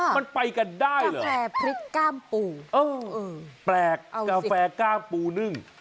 มันไปกันได้เหรอแฟพริกก้ามปูเออแปลกกาแฟกล้ามปูนึ่ง